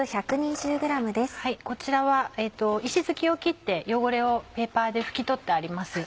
こちらは石突きを切って汚れをペーパーで拭き取ってあります。